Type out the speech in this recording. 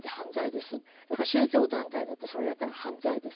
だから宗教団体だってそれをやったら犯罪です。